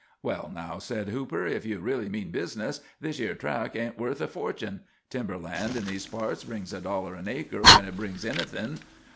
"Well, now," said Hooper, "if you really mean business, this yer track ain't worth a fortun'. Timber land in these parts brings a dollar an acre when hit brings anything.